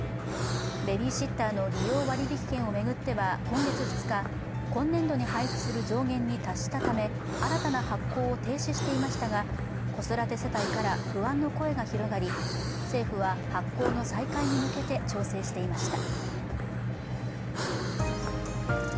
ベビーシッターの利用割引券を巡っては今月２日、今年度に配布する上限に達したため新たな発行を停止していましたが子育て世帯から不安の声が広がり政府は発行の再開に向けて調整していました。